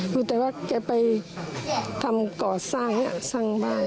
รู้แต่ว่าแกไปทำก่อสร้างสร้างบ้าน